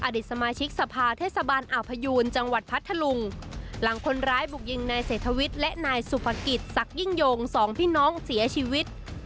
อดีตสมาชิกสภาเทศบาลอ่าวพยูนจังหวัดพัทธลุงหลังคนร้ายบุกยิงนายเศรษฐวิทย์และนายสุภกิจศักดิ่งโยงสองพี่น้องเสียชีวิต